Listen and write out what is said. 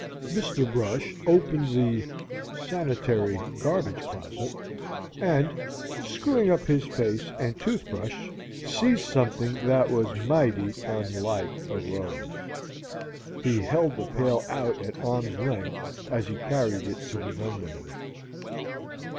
Mr. Brush opened the "sanitary garbage closet," and, screwing up his face and tooth brush, seized something that was mighty unlike a rose. He held the pail out at arm's length as he carried it to the dumb waiter.